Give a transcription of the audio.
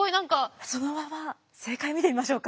そのまま正解見てみましょうか？